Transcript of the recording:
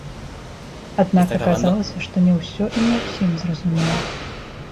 Аднак аказалася, што не ўсё і не ўсім зразумела.